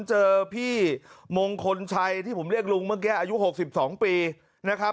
เจอพี่มงคลชัยที่ผมเรียกลุงเมื่อกี้อายุ๖๒ปีนะครับ